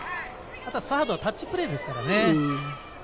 ただサードはタッチプレーですからね。